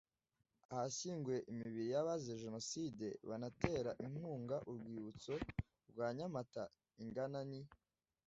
ahashyinguye imibiri y abazize jenoside banatera inkunga urwibutso rwa nyamata ingana ni